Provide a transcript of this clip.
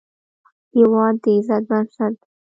هېواد د عزت بنسټ دی.